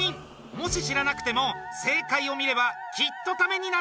もし知らなくても正解を見ればきっとタメになるはず！